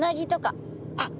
あっ